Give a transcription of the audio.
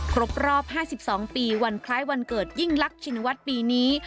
ครบรอบ๕๒ปีวันคล้ายวันเกิดยิ่งลักชินวัฒน์ปีนี้